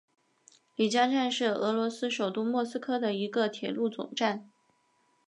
里加站是俄罗斯首都莫斯科的一个铁路总站。